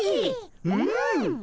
うん！